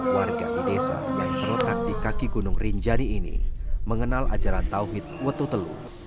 warga di desa yang terletak di kaki gunung rinjani ini mengenal ajaran tauhid wetutelu